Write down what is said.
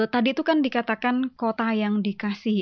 tadi itu kan dikatakan kota yang dikasih